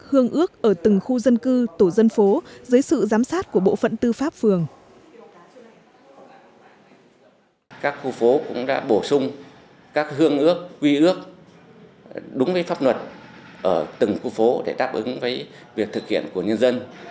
hương ước ở từng khu dân cư tổ dân phố dưới sự giám sát của bộ phận tư pháp phường